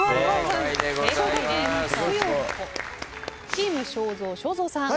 チーム正蔵正蔵さん。